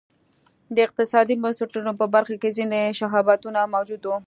د اقتصادي بنسټونو په برخه کې ځیني شباهتونه موجود و.